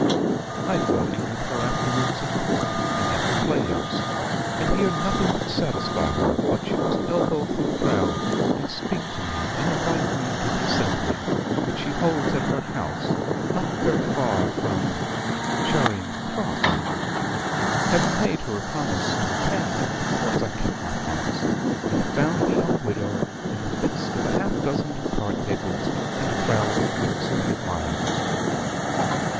I fell in with her afterwards at Court, and at the playhouse; and here nothing would satisfy her but she must elbow through the crowd and speak to me, and invite me to the assembly, which she holds at her house, not very far from Ch r ng Cr ss. "Having made her a promise to attend, of course I kept my promise; and found the young widow in the midst of a half dozen of card tables, and a crowd of wits and admirers.